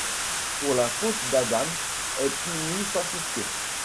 Pour la faute d’Adam est puni sans pitié